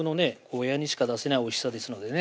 ゴーヤにしか出せないおいしさですのでね